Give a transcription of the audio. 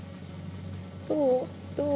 どう？